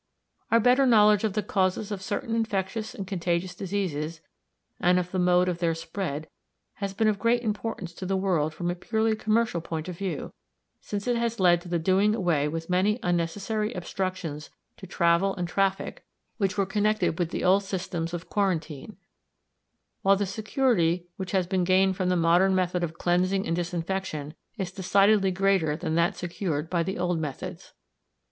Our better knowledge of the causes of certain infectious and contagious diseases, and of the mode of their spread, has been of great importance to the world from a purely commercial point of view, since it has led to the doing away with many unnecessary obstructions to traffic and travel which were connected with the old systems of quarantine, while the security which has been gained from the modern method of cleansing and disinfection is decidedly greater than that secured by the old methods.